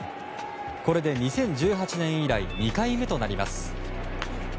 これで２０１８年以来２回目となります。